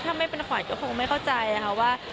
ถ้าไม่เป็นขวัญก็คงไม่เข้าใจค่ะว่า